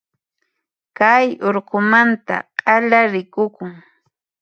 Kay urqumanta k'ala rikukun.